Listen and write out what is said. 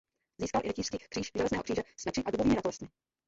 Získal i Rytířský kříž Železného kříže s meči a dubovými ratolestmi.